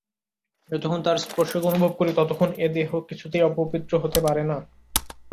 যতক্ষণ তাঁর স্পর্শকে অনুভব করি ততক্ষণ এ দেহ কিছুতেই অপবিত্র হতে পারে না।